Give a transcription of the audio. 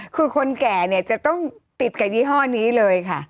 คือคนแก่เนี่ยจะต้องติดกับยี่ห้อนี้เลยค่ะ